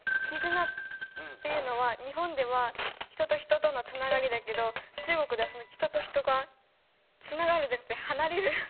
「絆」っていうのは日本では人と人とのつながりだけど中国ではその人と人が「つながる」じゃなくて「離れる」？